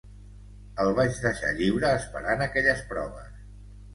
El vaig deixar lliure esperant aquelles proves.